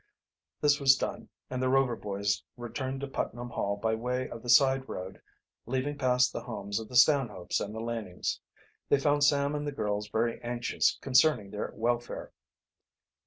This was done, and the Rover boys returned to Putnam Hall by way of the side road leaving past the homes of the Stanhopes and the Lanings. They found Sam and the girls very anxious concerning their welfare.